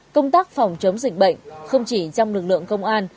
công tác phòng chống dịch bệnh không chỉ trong lực lượng công an